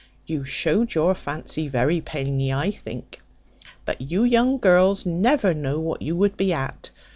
You showed your fancy very plainly, I think. But you young girls never know what you would be at.